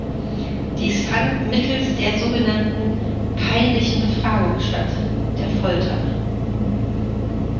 Dies fand mittels der so genannten "peinlichen Befragung" statt: der Folter.